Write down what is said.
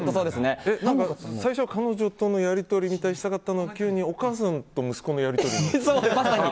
最初は彼女とのやり取りにしたかったのが急に、お母さんと息子のやり取りみたいに。